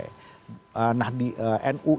nu itu adalah superintensif